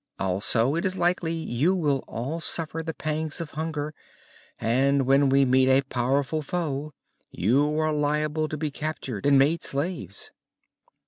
Also it is likely you will all suffer the pangs of hunger, and when we meet a powerful foe you are liable to be captured and made slaves."